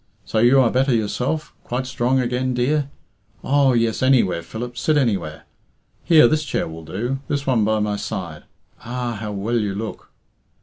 So you are better yourself? Quite strong again, dear? Oh, yes, any where, Philip sit anywhere. Here, this chair will do this one by my side. Ah! How well you look!"